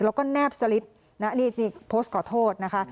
แล้วก็แนบสลิปนะนี่โพสต์ขอโทษนะคะ